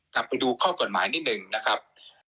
กลับไปดูข้อกฎหมายนิดนึงนะครับ